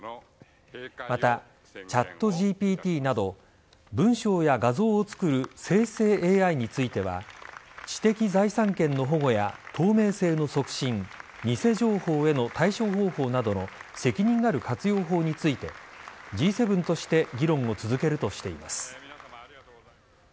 また、ＣｈａｔＧＰＴなど文章や画像を作る生成ＡＩについては知的財産権の保護や透明性の促進偽情報への対処方法などの責任ある活用法についてＧ７として議論を続けるとしています。